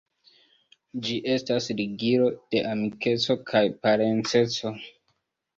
Ĝi estas ligilo de amikeco kaj parenceco.